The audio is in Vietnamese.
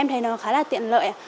em thấy nó khá là tiện lợi ạ